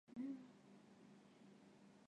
他也是澳大利亚板球国家队现在的队长。